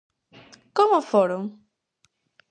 Como foron?